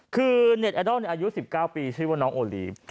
คือเน็ตไอดอลอายุ๑๙ปีชื่อว่าน้องโอลีฟ